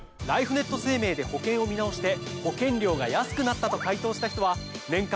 ライフネット生命で保険を見直して保険料が安くなったと回答した人は。